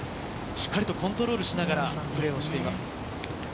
しっかりとコントロールしながらプレーをしています。